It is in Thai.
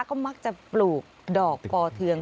ก็มักจะปลูกดอกกอเทือง